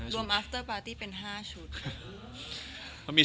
จะรักเธอเพียงคนเดียว